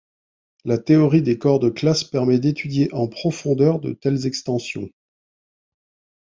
La théorie des corps de classes permet d'étudier en profondeur de telles extensions.